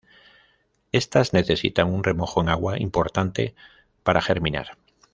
Estas necesitan un remojo en agua importante para germinar.